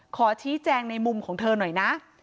ขอชี้แจงในมุมของเธอหน่อยนะ